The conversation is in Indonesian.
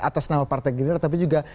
atas nama partai gerindra tapi juga